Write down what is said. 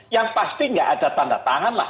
yang pasti nggak ada tanda tangan lah